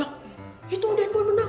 ya itu den boy menang